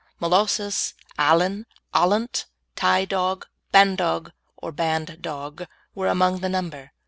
Molossus, Alan, Alaunt, Tie dog, Bandog (or Band dog), were among the number.